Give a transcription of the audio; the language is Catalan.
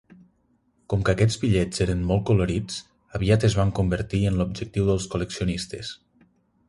Com que aquests bitllets eren molt colorits, aviat es van convertir en l'objectiu dels col·leccionistes.